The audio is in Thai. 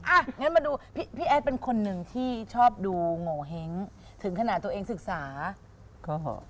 อ่ะงั้นมาดูพี่แอดเป็นคนหนึ่งที่ชอบดูโงเห้งถึงขนาดตัวเองศึกษา